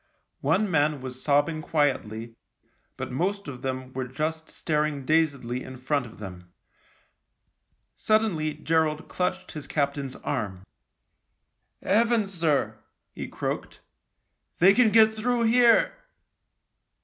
One man was sobbing quietly, but most of them were just staring dazedly in front of them. ••••■ Suddenly Gerald clutched his captain's arm. 36 THE LIEUTENANT " Heavens ! sir," he croaked, " they can get through here."